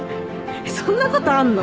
そんなことあんの？